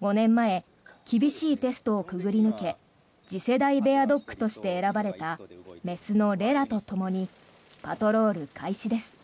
５年前厳しいテストを潜り抜け次世代ベアドッグとして選ばれた雌のレラとともにパトロール開始です。